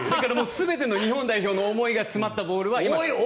全ての日本代表の思いが詰まったボールは。